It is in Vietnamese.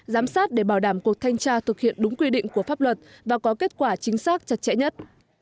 giám sát để bảo đảm cuộc thanh tra thực hiện đúng quy định của pháp luật và có kết quả chính xác chặt chẽ nhất